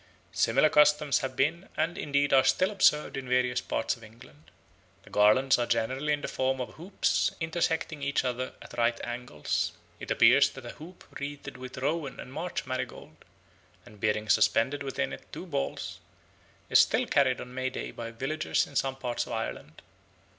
Similar customs have been and indeed are still observed in various parts of England. The garlands are generally in the form of hoops intersecting each other at right angles. It appears that a hoop wreathed with rowan and marsh marigold, and bearing suspended within it two balls, is still carried on May Day by villagers in some parts of Ireland.